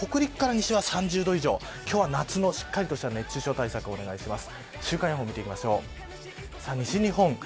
北陸から西は３０度以上今日は、夏のしっかりとした熱中症対策をお願いします。